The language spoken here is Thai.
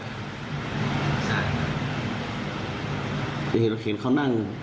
เห็นเราเข็นเขานั่ง